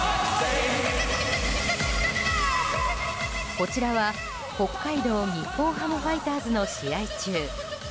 こちらは北海道日本ハムファイターズの試合中。